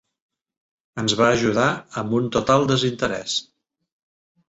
Ens va ajudar amb un total desinterès.